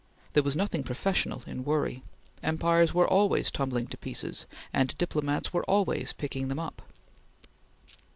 There was nothing professional in worry. Empires were always tumbling to pieces and diplomats were always picking them up.